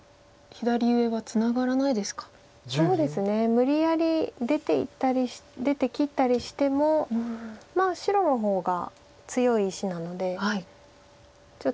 無理やり出て切ったりしても白の方が強い石なのでちょっと黒が大変そうです。